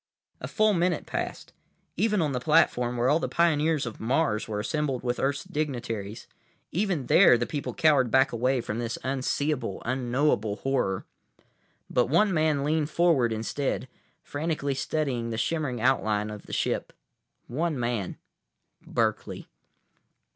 A full minute passed. Even on the platform, where all the pioneers of Mars were assembled with Earth's dignitaries, even there the people cowered back away from this unseeable, unknowable horror. But one man leaned forward instead, frantically studying the shimmering outline of the ship. One man—Berkeley.